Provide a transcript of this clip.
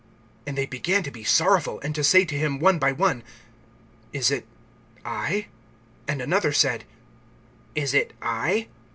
(19)And they began to be sorrowful, and to say to him one by one: Is it I? And another said: Is it I?